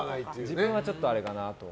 自分はちょっとあれかなと。